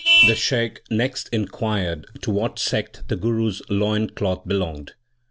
The Shaikh next inquired to what sect the Guru s loin cloth belonged.